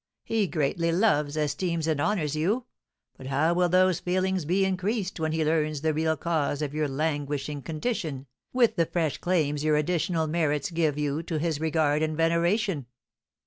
He greatly loves, esteems, and honours you; but how will those feelings be increased when he learns the real cause of your languishing condition, with the fresh claims your additional merits give you to his regard and veneration!"